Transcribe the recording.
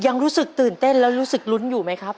ยังรู้สึกตื่นเต้นแล้วรู้สึกลุ้นอยู่ไหมครับ